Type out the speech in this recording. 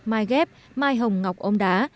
mai ghép mai hồng ngọc ôm đá